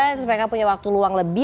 terus mereka punya waktu luang lebih